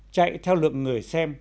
chạy theo lượng người xem